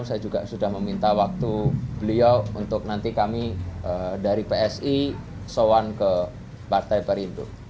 saya juga sudah meminta waktu beliau untuk nanti kami dari psi soan ke partai perindo